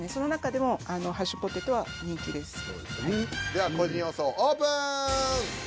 では個人予想オープン！